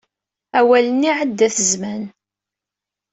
Awal-nni iɛedda-t zzman.